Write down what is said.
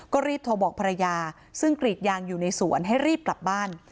ก็รีบโทรบอกภรรยาซึ่งกรีดยางอยู่ในสวนให้รีบกลับบ้าน